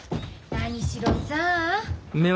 何しろさあ。